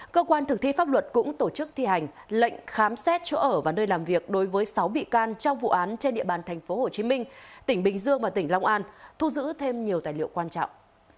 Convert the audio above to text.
cơ quan thực thi pháp luật cũng tổ chức thi hành lệnh khám xét chỗ ở và nơi làm việc đối với sáu bị can trong vụ án trên địa bàn tp hcm tỉnh bình dương và tỉnh long an thu giữ thêm nhiều tài liệu quan trọng